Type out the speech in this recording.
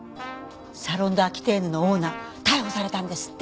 サロン・ド・アキテーヌのオーナー逮捕されたんですって。